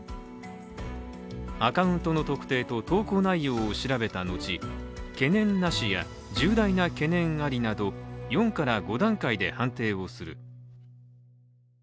アカウントの特定と、投稿内容を調べた後、懸念なしや、重大な懸念ありなど４から５段階で判定をする。